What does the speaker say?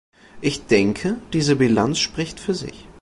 Ich denke, diese Bilanz spricht für sich.